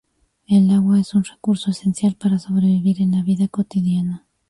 El agua es un recurso esencial para sobrevivir en la vida cotidiana.